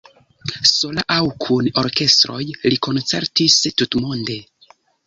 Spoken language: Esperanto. Sola aŭ kun orkestroj li koncertis tutmonde.